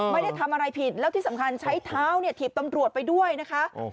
ไม่ได้ทำอะไรผิดแล้วที่สำคัญใช้เท้าเนี่ยถีบตำรวจไปด้วยนะคะ